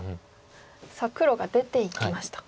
さあ黒が出ていきました。